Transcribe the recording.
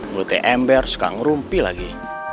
mulutnya ember suka ngerumpi lagi